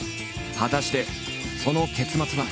果たしてその結末は。